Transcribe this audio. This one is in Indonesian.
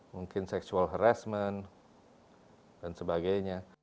mungkin seksual harassment dan sebagainya